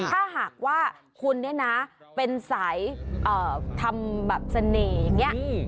ถ้าหากว่าคุณเนี่ยนะเป็นสายทำแบบเสน่ห์อย่างนี้